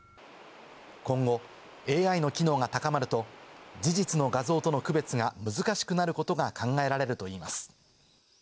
今後ＡＩの機能が高まると事実の画像との区別が難しくなることが考えられるといいます。